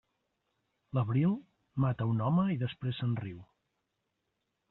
L'abril, mata un home i després se'n riu.